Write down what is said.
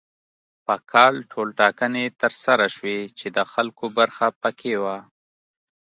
په کال ټولټاکنې تر سره شوې چې د خلکو برخه پکې وه.